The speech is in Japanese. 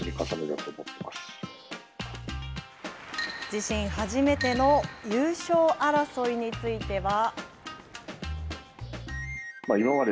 自身初めての優勝争いについては。